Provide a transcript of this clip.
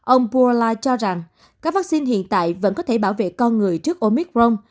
ông puallah cho rằng các vaccine hiện tại vẫn có thể bảo vệ con người trước omicron